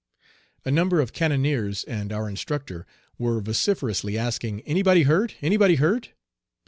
A number of cannoneers and our instructor were vociferously asking, "Anybody hurt? Anybody hurt?"